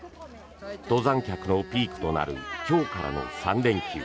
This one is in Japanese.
登山客のピークとなる今日からの３連休。